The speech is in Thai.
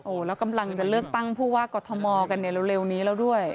แล้วกำลังจะเลือกตั้งผู้ว่ากอทมกันในเร็วนี้แล้วด้วย